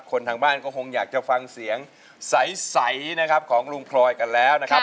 ทางบ้านก็คงอยากจะฟังเสียงใสนะครับของลุงพลอยกันแล้วนะครับ